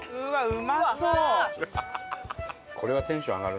うまそう！